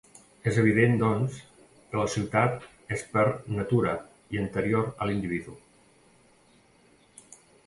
És evident, doncs, que la ciutat és per natura i anterior a l'individu.